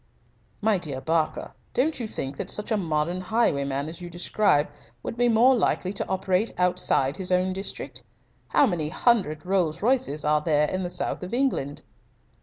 "My dear Barker, don't you think that such a modern highwayman as you describe would be more likely to operate outside his own district? How many hundred Rolls Royces are there in the South of England?"